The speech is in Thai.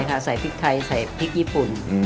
ใส่พริกไทยใส่พริกญี่ปุ่น